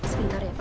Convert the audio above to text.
sebentar ya pak